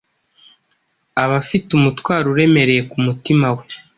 aba afite umutwaro uremereye ku mutima we.